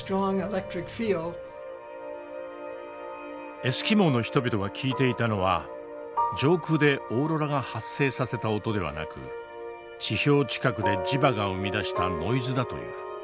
エスキモーの人々が聞いていたのは上空でオーロラが発生させた音ではなく地表近くで磁場が生み出したノイズだという。